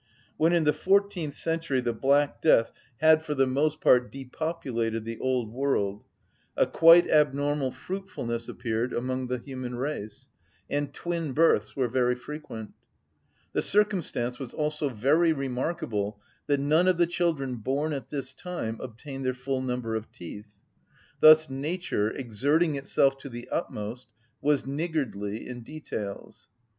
When in the fourteenth century the black death had for the most part depopulated the old world, a quite abnormal fruitfulness appeared among the human race, and twin‐births were very frequent. The circumstance was also very remarkable that none of the children born at this time obtained their full number of teeth; thus nature, exerting itself to the utmost, was niggardly in details.